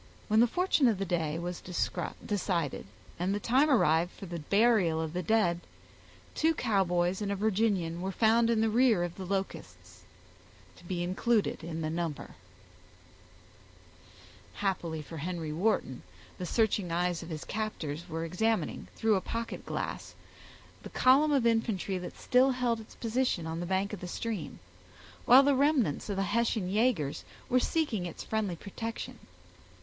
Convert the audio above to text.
When the fortune of the day was decided, and the time arrived for the burial of the dead, two Cowboys and a Virginian were found in the rear of the Locusts, to be included in the number. Happily for Henry Wharton, the searching eyes of his captors were examining, through a pocket glass, the column of infantry that still held its position on the bank of the stream, while the remnants of the Hessian yagers were seeking its friendly protection.